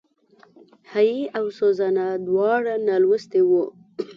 هېي او سوزانا دواړه نالوستي وو.